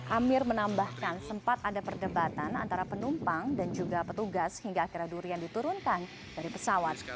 amir menambahkan sempat ada perdebatan antara penumpang dan juga petugas hingga akhirnya durian diturunkan dari pesawat